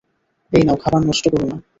এই নাও খাবার নষ্ট করে না।